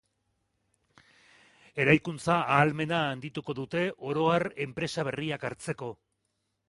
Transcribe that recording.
Eraikuntza-ahalmena handituko dute, oro har, enpresa berriak hartzeko.